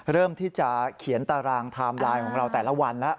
เริ่มที่จะเขียนตารางไทม์ไลน์ของเราแต่ละวันแล้ว